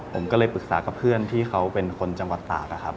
ผมก็เลยปรึกษากับเพื่อนที่เขาเป็นคนจังหวัดตากนะครับ